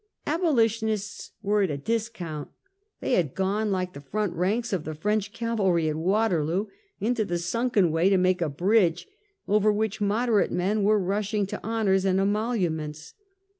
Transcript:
Abolitionists were at a discount. They had gone like the front ranks of the French cavalry at "Waterloo, into the sunken way, to make a bridge, over which moderate men were rushing to honors and emoluments.